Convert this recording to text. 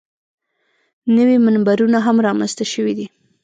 نوي منبرونه هم رامنځته شوي دي.